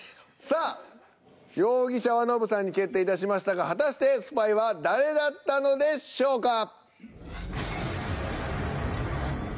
さあ容疑者はノブさんに決定いたしましたが果たしてスパイは誰だったのでしょうか？